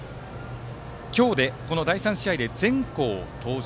今日でこの第３試合で全校登場。